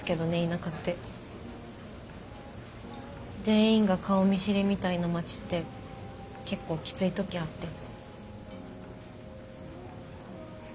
全員が顔見知りみたいな町って結構きつい時あって。